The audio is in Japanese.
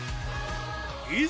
いざ